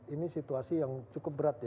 ini situasi yang cukup berat ya